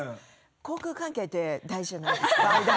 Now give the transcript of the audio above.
口腔環境って大事じゃないですか。